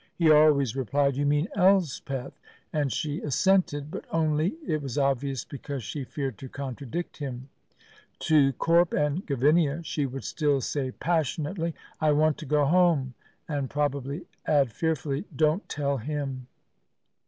He always replied, "You mean Elspeth," and she assented, but only, it was obvious, because she feared to contradict him. To Corp and Gavinia she would still say passionately, "I want to go home!" and probably add fearfully, "Don't tell him."